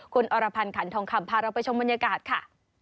คุณอรพันธ์ขันทองคำพาเราไปชมบรรยากาศค่ะ